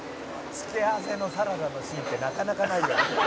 「付け合わせのサラダのシーンってなかなかないよね」